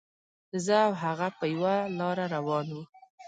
زه او هغه په یوه لاره روان وو.